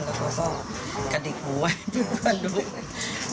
แล้วก็กระดิกหูไว้เพื่อนดู